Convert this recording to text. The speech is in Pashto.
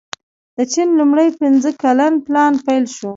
د چین لومړی پنځه کلن پلان پیل شو.